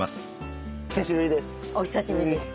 お久しぶりです。